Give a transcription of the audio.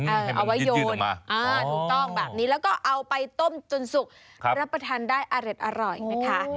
เอาไว้โยนถูกต้องแบบนี้แล้วก็เอาไปต้มจนสุกรับประทานได้อร่อยนะคะ